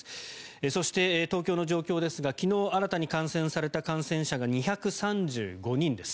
そして東京の状況ですが昨日、新たに感染された感染者が２３５人です。